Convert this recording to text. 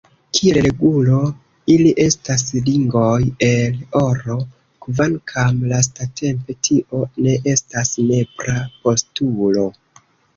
Kiel regulo, ili estas ringoj el oro, kvankam lastatempe tio ne estas nepra postulo.